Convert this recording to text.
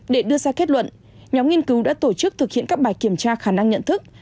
để đưa ra kết luận nhóm nghiên cứu đã tổ chức thực hiện các bài kiểm tra khả năng nhận thức